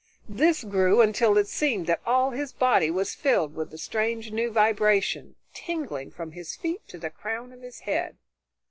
This grew until it seemed that all his body was filled with the strange new vibration, tingling from his feet to the crown of his head.